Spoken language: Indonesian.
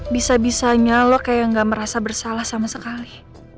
bisa bisanya lo kayak gak merasa bersalah sama sekali